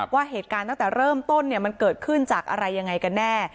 ว่าเหตุการณ์ตั้งแต่เริ่มต้นมันเกิดขึ้นจากอะไรยังไงกันแน่